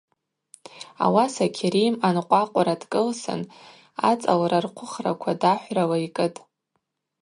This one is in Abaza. Ауаса Кьарим анкъвакъвра дкӏылсын ацӏалра рхъвыхраква дахӏврала йкӏытӏ.